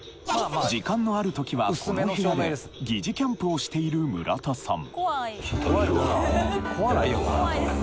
時間のある時はこの部屋で疑似キャンプをしている村田さん